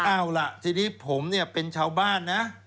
เอาล่ะทีนี้ผมเนี่ยเป็นชาวบ้านนะ